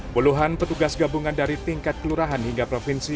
puluhan petugas gabungan dari tingkat kelurahan hingga provinsi